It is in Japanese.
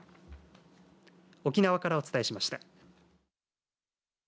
沖縄からお伝えしました。